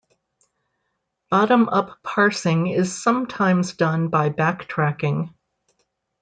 Bottom-up parsing is sometimes done by backtracking.